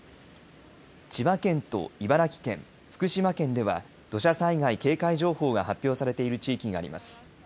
千葉県と茨城県、福島県では土砂災害警戒情報が発表されている地域があります。